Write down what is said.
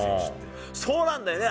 そうなんだよね。